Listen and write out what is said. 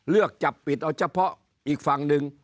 เลือกจับปิดเอาเฉพาะอีกฝั่งหนึ่ง